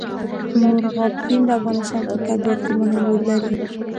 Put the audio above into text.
مورغاب سیند د افغانستان په طبیعت کې مهم رول لري.